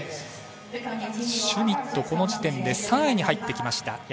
シュミット、この時点で３位に入ってきました。